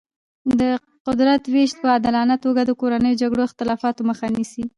د قدرت ویش په عادلانه توګه د کورنیو جګړو او اختلافاتو مخه نیسي.